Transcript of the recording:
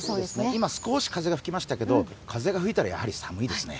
今、少し風が吹きましたけど風が吹いたらやはり寒いですね。